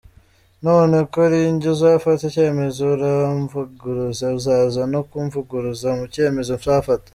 None ko ari njye uzafata icyemezo uramvuguruza uzaza no kumvuguruza mu cyemezo nzafata.